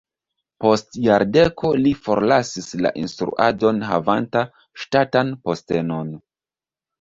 Post jardeko li forlasis la instruadon havanta ŝtatan postenon.